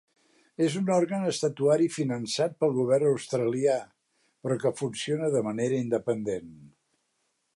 És un òrgan estatutari finançat pel govern australià, però que funciona de manera independent.